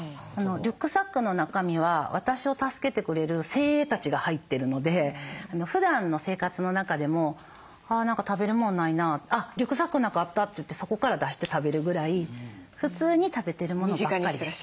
リュックサックの中身は私を助けてくれる精鋭たちが入ってるのでふだんの生活の中でも「何か食べるもんないなあっリュックサックの中あった」といってそこから出して食べるぐらい普通に食べてるものばっかりです。